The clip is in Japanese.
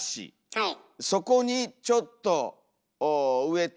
はい。